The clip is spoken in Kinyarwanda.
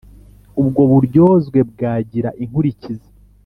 ubwo buryozwe bwagira inkurikizi